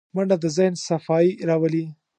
منډه د ذهن صفايي راولي